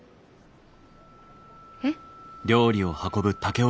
えっ？